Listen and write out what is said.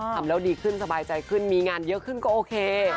ทำแล้วดีขึ้นสบายใจขึ้นมีงานเยอะขึ้นก็โอเค